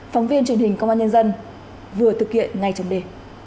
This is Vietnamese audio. phóng viên truyền hình công an nhân dân vừa thực hiện ngay trong đề